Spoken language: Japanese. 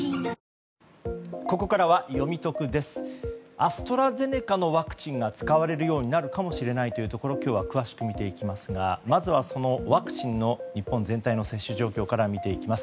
アストラゼネカのワクチンが使われるかもしれないというところ今日は詳しく見ていきますがまずはワクチンの日本全体の接種状況から見ていきます。